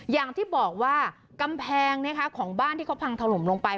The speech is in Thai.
อย่างที่บอกว่ากำแพงเนี้ยค่ะของบ้านที่เขาพังทะลมลงไป